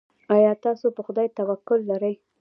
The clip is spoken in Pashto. ایا تاسو په خدای توکل لرئ؟